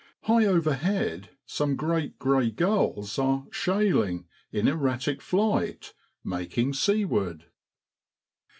High over head some great grey gulls are ' shay ling ' in erratic flight, making seaward.